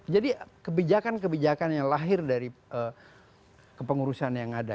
jadi kebijakan kebijakan yang lahir dari kepengurusan yang ada